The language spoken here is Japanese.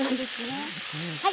はい。